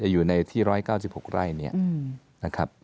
อยู่ในที่๑๙๖ไร่เนี่ยนะครับ